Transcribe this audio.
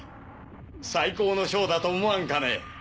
最高のショーだと思わんかね。